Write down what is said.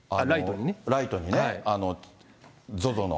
ライトにね、ＺＯＺＯの。